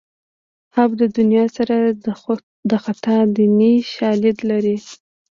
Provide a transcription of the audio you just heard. حب د دنیا سر د خطا دیني شالید لري